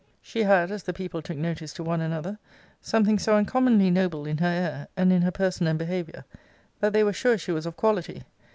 'She had, as the people took notice to one another, something so uncommonly noble in her air, and in her person and behaviour, that they were sure she was of quality.